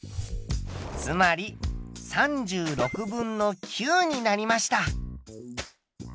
つまり３６分の９になりました。